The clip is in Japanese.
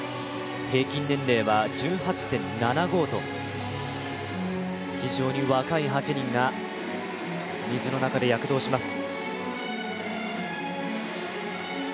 平均年齢は１８．７５と非常に若い８人が水の中で躍動します。